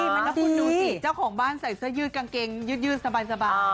แล้วคุณดูสิเจ้าของบ้านใส่เสื้อยืดกางเกงยืดสบาย